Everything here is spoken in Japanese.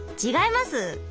違います。